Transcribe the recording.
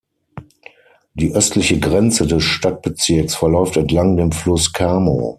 Die östliche Grenze des Stadtbezirks verläuft entlang dem Fluss Kamo.